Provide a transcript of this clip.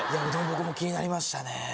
僕も気になりましたね。